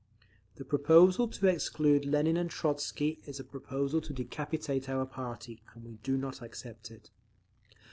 The proposal to exclude Lenin and Trotzky is a proposal to decapitate our party, and we do not accept it.